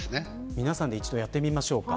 皆さんで一度やってみましょうか。